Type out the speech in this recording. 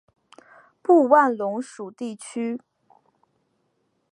布万龙属地区。